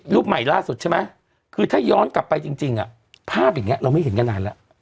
รูปใหม่ล่าสุดใช่ไหมคือถ้าย้อนกลับไปจริงภาพอย่างนี้เราไม่เห็นกันนานแล้ว